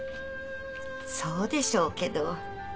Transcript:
そうでしょうけど。